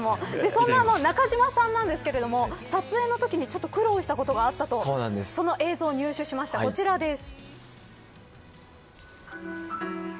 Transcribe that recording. そんな中島さんですが撮影のときにちょっと苦労したことがあったとその映像入手しました、こちらです。